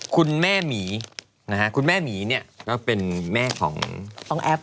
คุณแม่มีย์คุณแม่มีย์นี้ก็เป็นแม่ของแอป